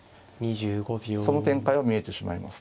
その展開は見えてしまいますね。